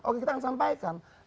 oke kita akan sampaikan